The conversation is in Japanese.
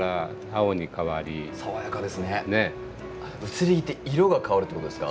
「移り気」って色が変わるって事ですか？